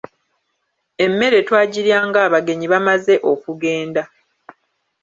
Emmere twagiryanga abagenyi bamaze okugenda.